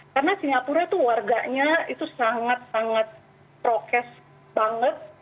karena singapura itu warganya itu sangat sangat prokes banget